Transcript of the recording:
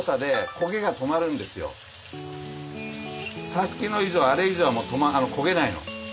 さっきの以上あれ以上はもう焦げないの。